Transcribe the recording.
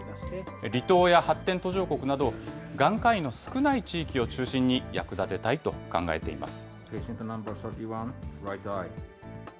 離島や発展途上国など、眼科医の少ない地域を中心に役立てたいと考えています。